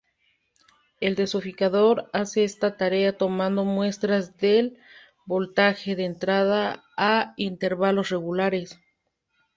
El decodificador hace esta tarea tomando muestras del voltaje de entrada a intervalos regulares.